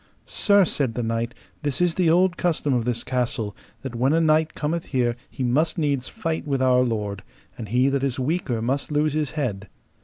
Sir, said the knight, this is the old custom of this castle, that when a knight cometh here he must needs fight with our lord, and he that is weaker must lose his head.